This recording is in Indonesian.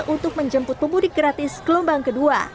untuk menjemput pemudik gratis ke lombang kedua